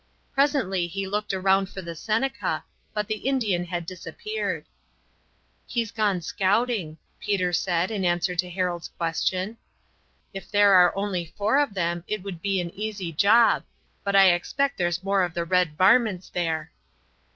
Presently he looked round for the Seneca, but the Indian had disappeared. "He's gone scouting," Peter said in answer to Harold's question. "Ef there are only four of them it would be an easy job, but I expect there's more of the red varmints there."